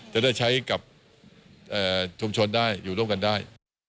จะได้ใช้กับชุมชนได้อยู่ร่วมกันได้